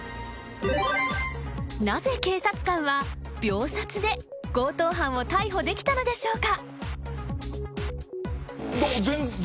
［なぜ警察官は秒殺で強盗犯を逮捕できたのでしょうか？］